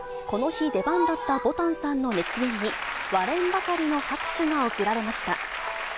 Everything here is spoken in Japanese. この日、出番だったぼたんさんの熱演に、割れんばかりの拍手が送られました。